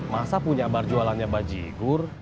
masa punya bar jualannya baji gur